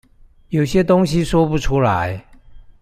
有些東西說不出來